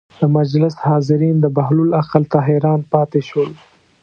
د مجلس حاضرین د بهلول عقل ته حیران پاتې شول.